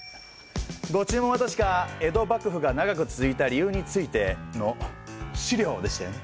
ご注文は確か「江戸幕府が長く続いた理由について」の資料でしたよね。